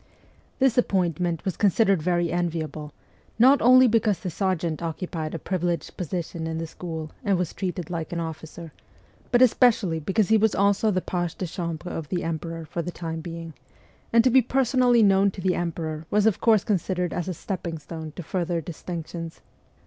This appointment was considered very enviable, not only because the sergeant occupied a privileged posi tion in the school and was treated like an officer, but especially because he was also the page de chambre of the emperor for the time being ; and to be personally known to the emperor was of course considered as a stepping stone to further distinctions.